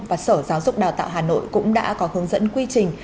và sở giáo dục đào tạo hà nội cũng đã có hướng dẫn quy trình